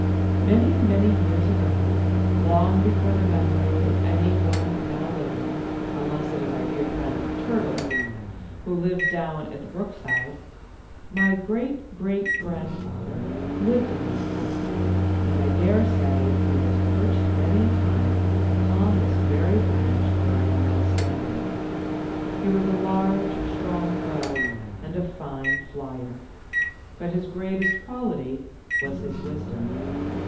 "Many, many years ago, long before the memory of any one now living, unless it is our friend Turtle, who lives down at the brookside, my great great grandfather lived in these woods, and I dare say he has perched many a time upon this very branch where I am now standing. He was a large, strong crow, and a fine flyer. But his greatest quality was his wisdom.